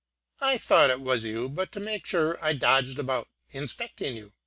I thought it was you, but to make sure I dodged about, inspecting you.